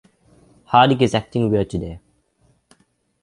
Hardik is acting weird today.